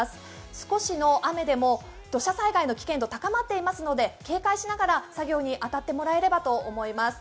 少しの雨でも土砂災害の危険度が高まっていますので、警戒しながら作業に当たってもらえればと思います。